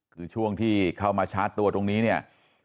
คือช่วงที่เข้ามาชาร์จตัวตรงนี้เนี่ย